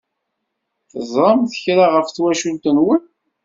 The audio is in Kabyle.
Teẓṛamt kra ɣef twacult-nwen?